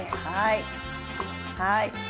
はいはい。